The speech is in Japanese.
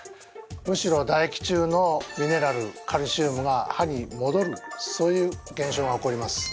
むしろだ液中のミネラルカルシウムが歯にもどるそういう現象が起こります。